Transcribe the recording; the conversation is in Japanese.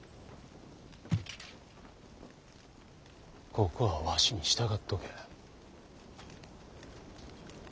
ここはわしに従っとけ。